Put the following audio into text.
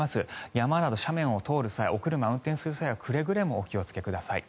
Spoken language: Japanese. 山など斜面を通る際お車を運転する際はくれぐれもお気をつけください。